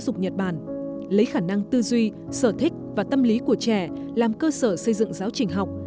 dục nhật bản lấy khả năng tư duy sở thích và tâm lý của trẻ làm cơ sở xây dựng giáo trình học